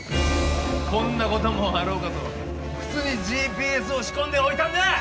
こんなこともあろうかと靴にＧＰＳを仕込んでおいたんだ！